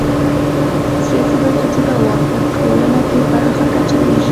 سیاسي بنسټونه واک په ټولنه کې پراخه کچه وېشي.